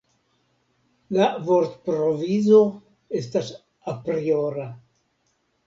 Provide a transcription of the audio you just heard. La vortprovizo estas apriora.